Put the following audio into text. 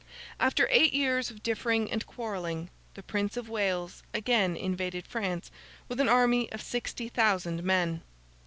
After eight years of differing and quarrelling, the Prince of Wales again invaded France with an army of sixty thousand men.